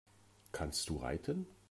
Kannst du reiten?